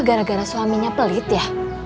gara gara suaminya pelit ya